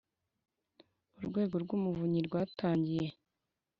Urwego rw Umuvunyi rwatangiye